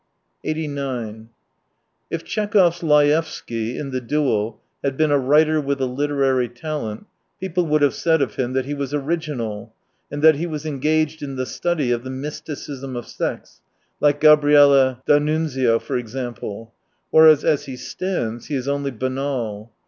89 If Tchekhov's Layevsky, in The Duel, had been a writer with a literary talent, people would have said of him that he was original, and that he was engaged in the study of the "mysticism of sex," like Gabriele D'Annunzio for example ; whereas, as he stands, he is only banal.